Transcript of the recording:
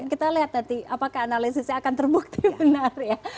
kita lihat nanti apakah analisisnya akan terbukti benar ya